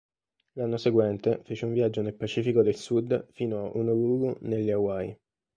L'anno seguente fece un viaggio nel Pacifico del Sud fino a Honolulu nelle Hawaii.